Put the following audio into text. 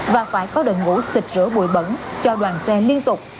và phải có đợi ngủ xịt rửa bụi bẩn cho đoàn xe liên tục